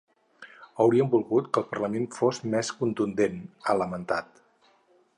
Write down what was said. Hauríem volgut que el parlament fos més contundent, ha lamentat.